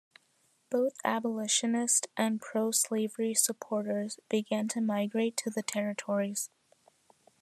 Both abolitionist and pro-slavery supporters began to migrate to the territories.